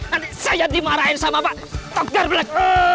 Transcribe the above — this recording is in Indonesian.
nanti saya dimarahin sama pak togar black